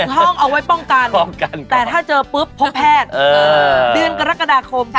ห้องเอาไว้ป้องกันแต่ถ้าเจอปุ๊บพบแพทย์เดือนกรกฎาคม